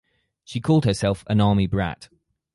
She called herself an "army brat".